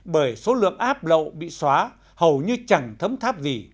bởi số lượng app lậu bị xóa hầu như chẳng thấm tháp gì